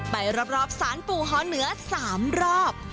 ไปรอบสารปู่หอเหนือ๓รอบ